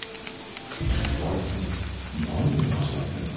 あいつ何に恥じらってんだ？